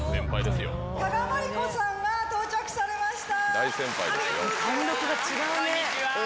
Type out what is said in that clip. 加賀まりこさんが到着されました。